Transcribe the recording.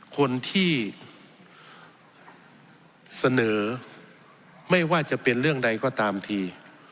คนที่เสนอไม่ว่าจะเป็นเรื่องใดก็ตามที